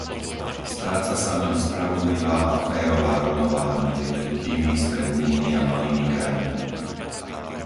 Stráca sa v ňom spravodlivá a férová rovnováha medzi veľkými, strednými a malými krajinami.